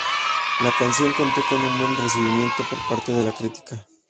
La canción contó con un buen recibimiento por parte de la crítica.